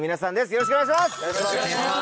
よろしくお願いします。